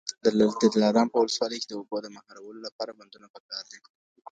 د دلارام په ولسوالۍ کي د اوبو د مهارولو لپاره بندونه پکار دي